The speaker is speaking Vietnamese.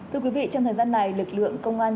thưa quý vị trong thời gian này lực lượng công an